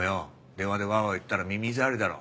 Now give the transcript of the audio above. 電話でワワ言ったら耳障りだろ。